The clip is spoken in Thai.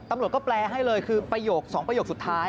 ตำรวจก็แปลให้เลยคือประโยค๒ประโยคสุดท้าย